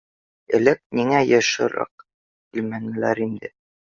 Элек ниңә йышыраҡ килмәнеләр инде!